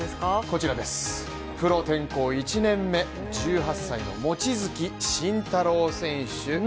こちらです、プロ転向１年目１８歳の望月慎太郎選手